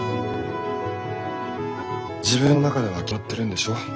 自分の中では決まってるんでしょ。